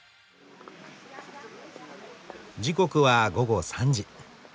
時刻は午後３時。